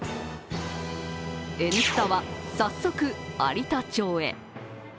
「Ｎスタ」は早速、有田町へ。